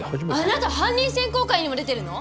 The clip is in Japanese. あなた犯人選考会にも出てるの！？